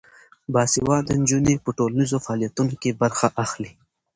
باسواده نجونې په ټولنیزو فعالیتونو کې برخه اخلي.